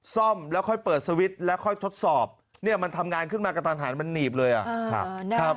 ซ่อมแล้วค่อยเปิดสวิตช์แล้วค่อยทดสอบเนี่ยมันทำงานขึ้นมากระทันหันมันหนีบเลยอ่ะนะครับ